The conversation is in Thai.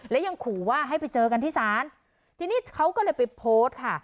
และยังขู่ว่าให้ไปเจอกันที่ศาลทีนี้เขาก็เลยไปโพสต์ค่ะ